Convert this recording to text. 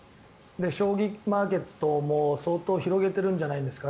将棋マーケットも相当広げてるんじゃないですか。